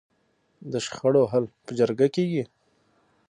د شخړو حل په جرګه کیږي؟